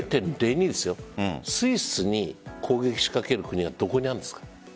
スイスに攻撃仕掛ける国はどこにあるんですか？